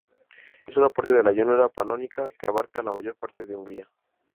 Es una parte de la llanura panónica que abarca la mayor parte de Hungría.